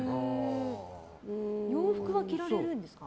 洋服は着られるんですか？